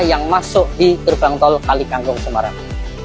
yang masuk di gerbang tol kalikangkung semarang